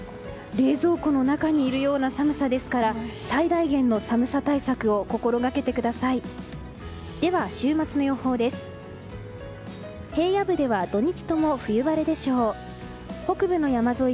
冷蔵庫の中にいるような寒さですから最大限の寒さ対策を心掛けてください。